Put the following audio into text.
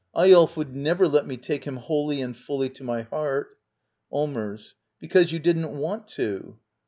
] Eyolf would never let me take him wholly and fully to my heart. Allmers. Because you didn't want to.